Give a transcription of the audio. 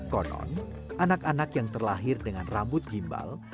konon anak anak yang terlahir dengan rambut gimbal